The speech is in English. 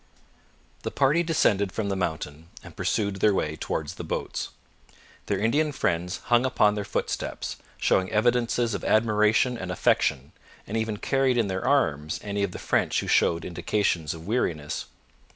The party descended from the mountain and pursued their way towards the boats. Their Indian friends hung upon their footsteps, showing evidences of admiration and affection, and even carried in their arms any of the French who showed indications of weariness.